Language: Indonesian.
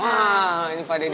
wah ini pak deddy